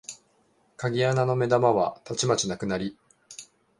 鍵穴の眼玉はたちまちなくなり、